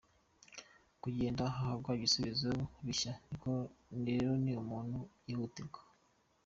Kugenda hahangwa ibisubizo bishya rero ni ibintu byihutirwa.